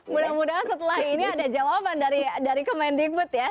mudah mudahan setelah ini ada jawaban dari kemendikbud ya